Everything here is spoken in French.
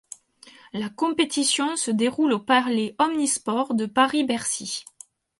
La compétition se déroule au Palais omnisports de Paris-Bercy.